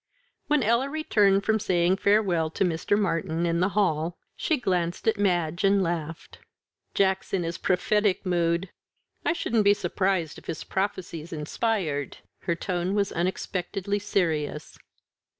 When Ella returned from saying farewell to Mr. Martyn in the hall, she glanced at Madge and laughed. "Jack's in his prophetic mood." "I shouldn't be surprised if his prophecy's inspired." Her tone was unexpectedly serious.